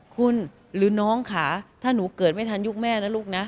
คุณหรือน้องค่ะถ้าหนูเกิดไม่ทันยุคแม่นะลูกนะ